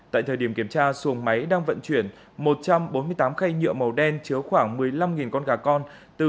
tại thời điểm kiểm tra xuồng máy đang vận chuyển một trăm bốn mươi tám khay nhựa màu đen chứa khoảng một mươi năm con gà con